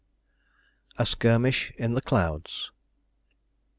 A SKIRMISH IN THE CLOUDS.